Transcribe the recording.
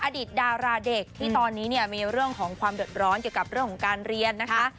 อดีตดาราเด็กที่ตอนนี้เนี่ยมีเรื่องของความเดือดร้อนเกี่ยวกับเรื่องของการเรียนนะคะ